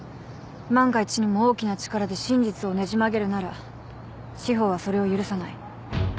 万が一にも大きな力で真実をねじ曲げるなら司法はそれを許さない。